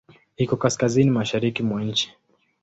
Iko kaskazini-mashariki mwa nchi.